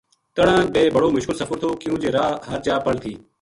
تہنا بے بڑو مشکل سفر تھوکیون جے راہ ہر جا پل تھی